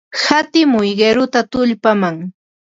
Hatimuy qiruta tullpaman.